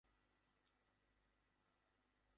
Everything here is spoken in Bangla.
একটা ভাগ্নির খুব শখ ছিল আমার।